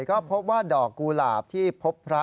ก็พบว่าดอกกุหลาบที่พบพระ